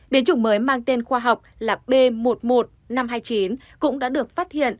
biến chủng mới mang tên khoa học là b một mươi một năm trăm hai mươi chín cũng đã được phát hiện